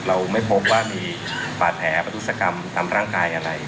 เราไม่พบว่ามีบาดแผลประทุศกรรมตามร่างกายอะไร